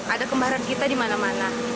ada kembaran kita di mana mana